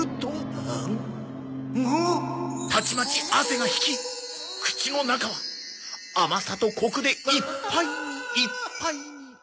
たちまち汗が引き口の中は甘さとコクでいっぱいにいっぱいにいっぱいに。